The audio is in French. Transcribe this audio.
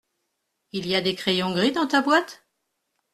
Il y a des crayons gris dans ta boîte ?